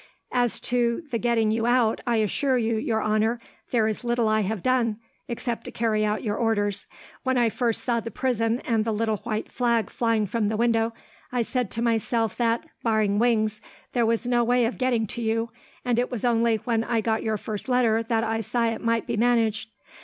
"As to the getting you out, I assure you, your honour, there is little I have done, except to carry out your orders. When I first saw the prison, and the little white flag flying from the window, I said to myself that, barring wings, there was no way of getting to you; and it was only when I got your first letter that I saw it might be managed.